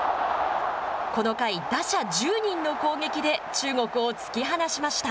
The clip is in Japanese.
この回、打者１０人の攻撃で、中国を突き放しました。